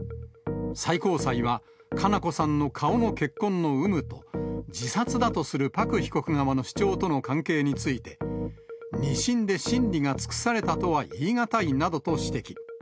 最高裁は、佳菜子さんの顔の血痕の有無と、自殺だとするパク被告側の主張との関係について、２審で審理が尽くされたとは言い難いなどと指摘。